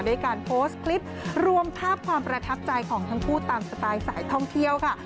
ด้วยการโพสต์คลิปรวมภาพความประทับใจของทั้งคู่ตามสไตล์สายท่องเที่ยวค่ะ